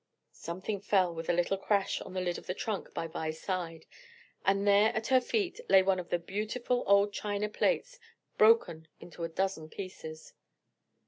Something fell with a little crash on the lid of the trunk by Vi's side, and there at her feet lay one of the beautiful old china plates broken into a dozen pieces.